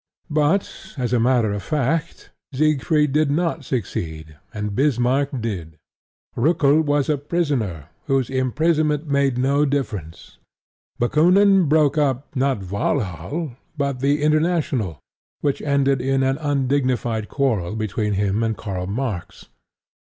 But, as a matter of fact, Siegfried did not succeed and Bismarck did. Roeckel was a prisoner whose imprisonment made no difference; Bakoonin broke up, not Walhall, but the International, which ended in an undignified quarrel between him and Karl Marx.